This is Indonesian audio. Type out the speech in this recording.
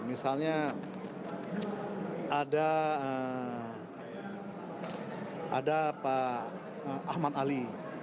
misalnya ada pak ahmad ali